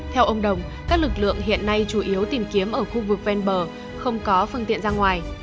theo ông đồng các lực lượng hiện nay chủ yếu tìm kiếm ở khu vực ven bờ không có phương tiện ra ngoài